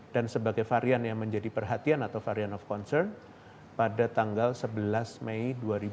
dan sebagai varian yang menjadi perhatian atau varian of concern pada tanggal sebelas mei dua ribu dua puluh satu